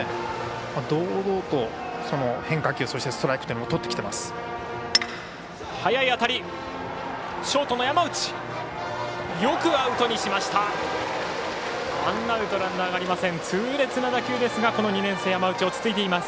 堂々と変化球そしてストライクというのをとってきてます。